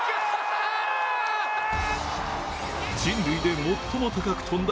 人類で最も高く跳んだ